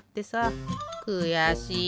くやしい。